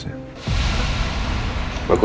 ke taman papi